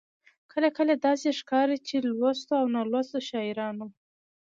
کله کله داسې ښکاري چې لوستو او نالوستو شاعرانو.